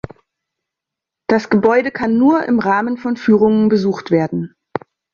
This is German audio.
Das Gebäude kann nur im Rahmen von Führungen besucht werden.